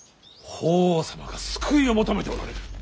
法皇様が救いを求めておられる。